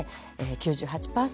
９８％？